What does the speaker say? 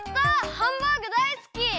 ハンバーグだいすき！